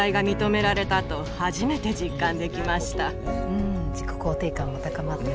うん自己肯定感も高まって。